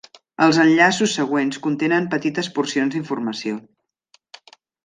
Els enllaços següents contenen petites porcions d'informació.